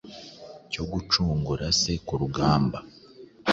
cyo gucungura se ku rugamba,